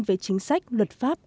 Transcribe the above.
về chính sách luật pháp